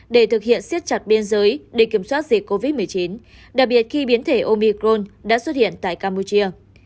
để thực hiện siết chặt biên giới để kiểm soát dịch covid một mươi chín đặc biệt khi biến thể omicron đã xuất hiện tại campuchia